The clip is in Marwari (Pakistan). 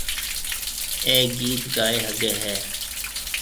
اَي گِيت گائيَ سگھيََََ هيَ۔